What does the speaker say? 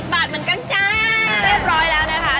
บาทเหมือนกันจ้าเรียบร้อยแล้วนะคะ